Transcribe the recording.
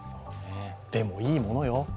でもいいものよ？